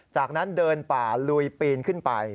จากนั้นเดินป่าลุยปีนขึ้นไป